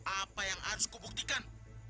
apa yang harus kubuktikan